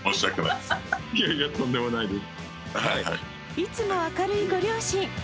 いつも明るいご両親。